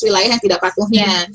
wilayah yang tidak patuhnya